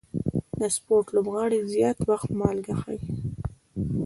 د سپورټ لوبغاړي زیات وخت مالګه څښي.